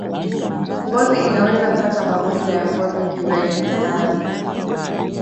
ngozi inaweza kupata magonjwa ya ngozi kiurahisi sana